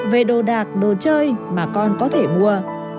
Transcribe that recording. về đồ đạc đồ chơi mà con có thể mua